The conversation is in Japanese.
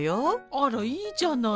あらいいじゃない。